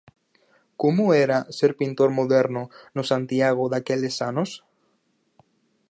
Como era ser pintor moderno no Santiago daqueles anos?